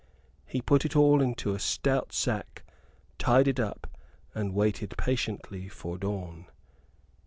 He put it all into a stout sack, tied it up, and waited patiently for dawn.